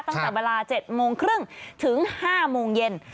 ตั้งแต่เวลา๗โมงครึ่งถึง๕โมงเย็น